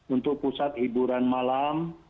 untuk pusat hiburan malam